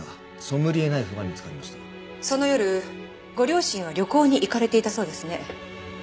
その夜ご両親は旅行に行かれていたそうですね。